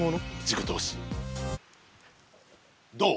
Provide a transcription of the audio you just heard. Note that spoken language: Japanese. どう？